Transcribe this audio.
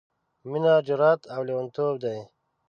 — مينه جرات او لېوانتوب دی...